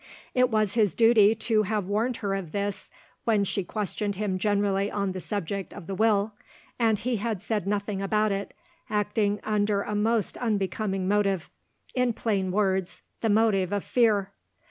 It was his duty to have warned her of this, when she questioned him generally on the subject of the Will; and he had said nothing about it, acting under a most unbecoming motive in plain words, the motive of fear.